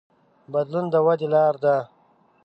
بدلون د ودې لار ده.